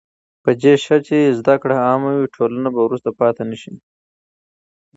په دې شرط چې زده کړه عامه وي، ټولنه به وروسته پاتې نه شي.